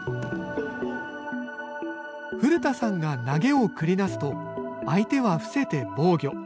古田さんが投げを繰り出すと、相手は伏せて防御。